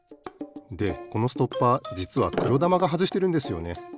でこのストッパーじつはくろだまがはずしてるんですよね。